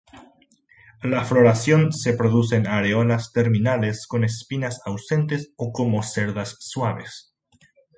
La floración se produce en areolas terminales con espinas ausentes o como cerdas suaves.